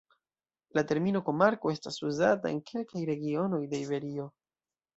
La termino komarko estas uzata en kelkaj regionoj de Iberio.